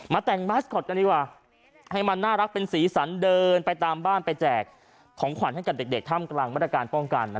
แต่งมาสคอตกันดีกว่าให้มันน่ารักเป็นสีสันเดินไปตามบ้านไปแจกของขวัญให้กับเด็กท่ามกลางมาตรการป้องกัน